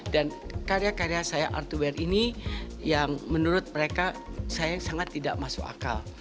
dan karya karya saya artware ini yang menurut mereka saya sangat tidak masuk akal